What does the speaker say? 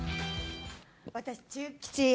私、中吉。